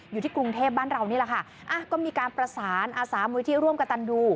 อยู่ที่กรุงเทพบ้านเรานี่แหละค่ะอ่ะก็มีการประสานอาสามุยที่ร่วมกับตันดู